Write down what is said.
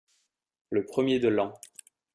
Le premier de l’an.